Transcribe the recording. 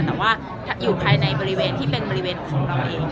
แต่ว่าอยู่ภายในบริเวณที่เป็นบริเวณของเราเอง